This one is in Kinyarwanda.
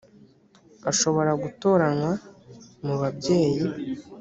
ashobora gutoranywa mu babyeyi